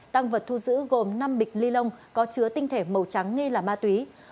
tăng vật thu giữ gồm năm bịch ly lông có chứa tinh thể màu trắng ngay là ma túy